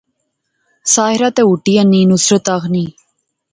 ساحرہ ، تو ہوٹی اینی، نصرت آخنی